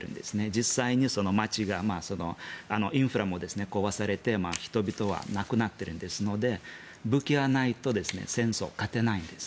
実際に街、インフラも壊されて人々は亡くなっているので武器がないと戦争、勝てないんです。